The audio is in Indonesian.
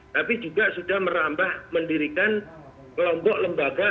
tapi juga sudah merambah mendirikan kelompok lembaga